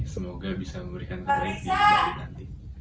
semoga bisa memberikan kebaikan nanti